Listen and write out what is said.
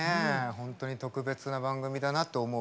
本当に特別な番組だなって思う。